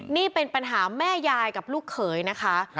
นี่เป็นปัญหาแม่ยายกับลูกเขยนะคะ